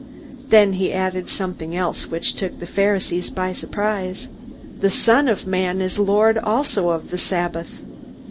Then he added something else, which took the Pharisees by surprise: "The Son of man is Lord also of the Sabbath."